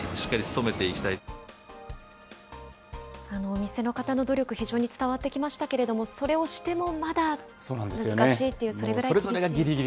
お店の方の努力、非常に伝わってきましたけれども、それをしてもまだ難しいという、それぐらい厳しい。